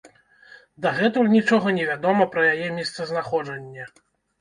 Дагэтуль нічога не вядома пра яе месцазнаходжанне.